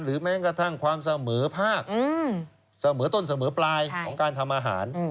แม้กระทั่งความเสมอภาคเสมอต้นเสมอปลายของการทำอาหาร